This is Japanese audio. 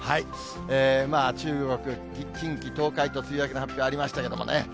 中国、近畿、東海と梅雨明けの発表がありましたけれどもね。